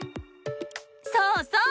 そうそう！